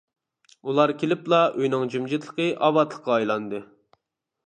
ئۇلار كېلىپلا ئۆينىڭ جىمجىتلىقى ئاۋاتلىققا ئايلاندى.